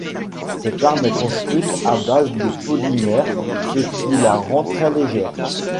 Cette arme est construite à base de polymères ce qui la rend très légère.